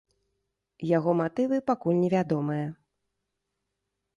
Яго матывы пакуль невядомыя.